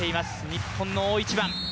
日本の大一番。